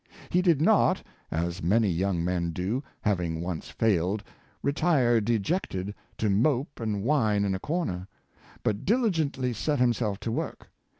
He did not, as many young men do, having once failed, retire dejected, to mope and whine in a corner, but diligently set himself to work.